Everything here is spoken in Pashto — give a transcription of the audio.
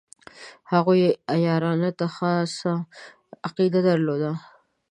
هغوی عیارانو ته خاصه عقیده درلوده.